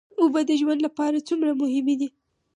اوبه د ژوند لپاره څومره مهمې دي